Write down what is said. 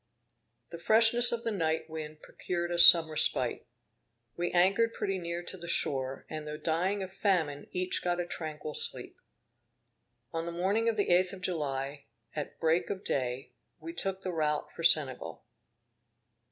The freshness of the night wind procured us some respite. We anchored pretty near to the shore, and though dying of famine, each got a tranquil sleep. On the morning of the 8th of July, at break of day, we took the route for Senegal.